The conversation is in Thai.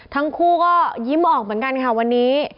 ทั้งคู่ก็ยิ้มออกเหมือนกันค่ะวันนี้